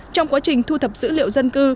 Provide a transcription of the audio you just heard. trong quá trình thu thập dữ liệu dân cư